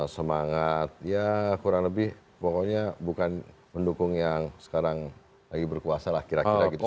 semangat ya kurang lebih pokoknya bukan mendukung yang sekarang lagi berkuasa lah kira kira gitu